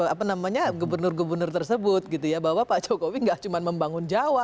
apa namanya gubernur gubernur tersebut gitu ya bahwa pak jokowi nggak cuma membangun jawa